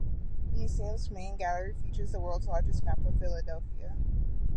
The museum's main gallery features the world's largest map of Philadelphia.